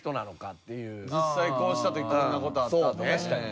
実際こうした時こんな事あったとかね。